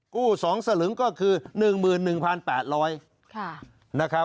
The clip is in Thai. กู้๒สลึงก็คือ๑๑๘๐๐นะครับ